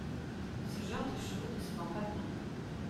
Ce genre de choses ne se vend pas bien.